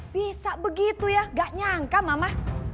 bisa begitu ya gak nyangka mama